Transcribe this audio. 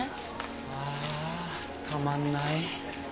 ああたまんない。